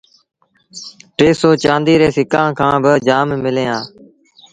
ٽي سئو چآنديٚ ري سِڪآݩ کآݩ با جآم ملينٚ هآ